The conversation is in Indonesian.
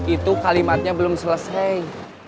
itu kalimatnya belum selesai